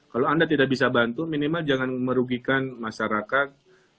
kalau anda tidak bisa bantu minimal jangan merugikan masyarakat